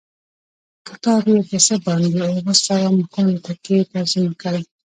کتاب یې په څه باندې اووه سوه مخونو کې ترجمه کړی.